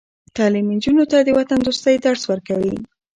تعلیم نجونو ته د وطندوستۍ درس ورکوي.